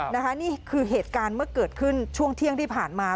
นี่คือเหตุการณ์เมื่อเกิดขึ้นช่วงเที่ยงที่ผ่านมา